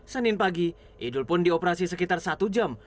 senin pagi idul pun dioperasi sekitar satu jam